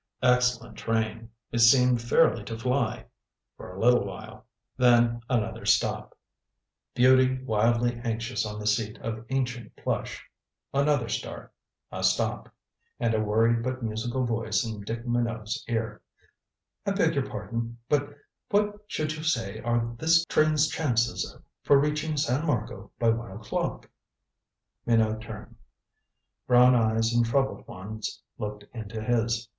Excellent train, it seemed fairly to fly. For a little while. Then another stop. Beauty wildly anxious on the seat of ancient plush. Another start a stop and a worried but musical voice in Dick Minot's ear: "I beg your pardon but what should you say are this train's chances for reaching San Marco by one o'clock?" Minot turned. Brown eyes and troubled ones looked into his.